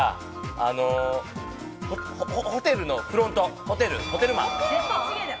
あの、ホテルのフロント、ホテルマン。